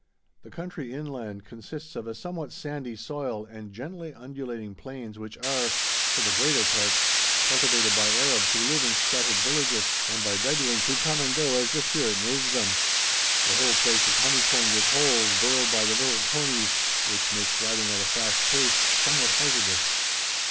The country inland consists of a somewhat sandy soil and gently undulating plains which are, for the greater part, cultivated by Arabs who live in scattered villages, and by Bedouins who come and go as the spirit moves them. The whole place is honeycombed with holes burrowed by the little conies, which makes riding at a fast pace somewhat hazardous.